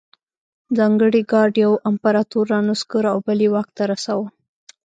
ځانګړي ګارډ یو امپرتور رانسکور او بل یې واک ته رساوه.